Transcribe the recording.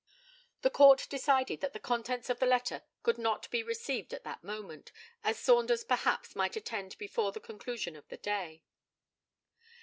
The Court decided that the contents of the letter could not be received at that moment, as Saunders perhaps might attend before the conclusion of the day.